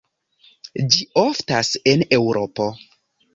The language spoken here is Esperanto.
Ĝi oftas en Eŭropo.